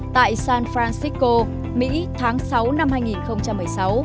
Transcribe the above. tại san francisco mỹ tháng sáu năm hai nghìn một mươi sáu